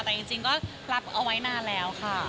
แต่จริงก็รับเอาไว้นานแล้วค่ะ